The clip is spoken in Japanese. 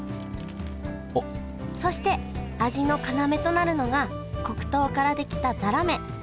そして味の要となるのが黒糖から出来たざらめ。